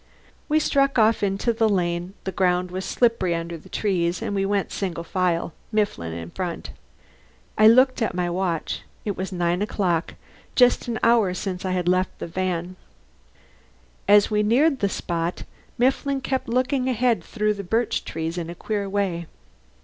We struck off into the lane. The ground was slippery under the trees and we went single file, Mifflin in front. I looked at my watch it was nine o'clock, just an hour since I had left the van. As we neared the spot Mifflin kept looking ahead through the birch trees in a queer way.